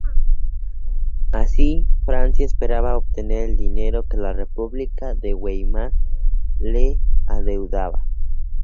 Así, Francia esperaba obtener el dinero que la República de Weimar le adeudaba.